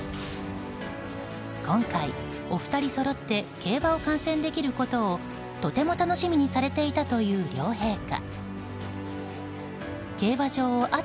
今回、お二人そろって競馬を観戦できることをとても楽しみにされていたという両陛下。